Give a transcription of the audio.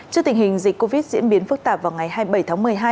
trước tình hình dịch covid diễn biến phức tạp vào ngày hai mươi bảy tháng một mươi hai